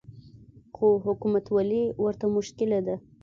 خو حکومتولي ورته مشکله ده